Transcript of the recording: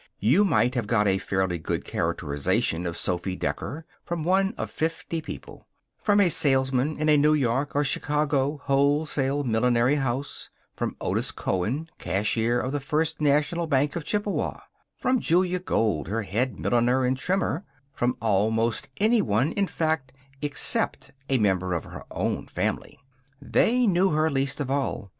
You might have got a fairly true characterization of Sophy Decker from one of fifty people: from a salesman in a New York or Chicago wholesale millinery house; from Otis Cowan, cashier of the First National Bank of Chippewa; from Julia Gold, her head milliner and trimmer; from almost anyone, in fact, except a member of her own family. They knew her least of all.